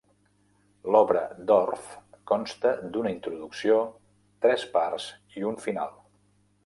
L'obra d'Orff consta d'una introducció, tres parts i un final.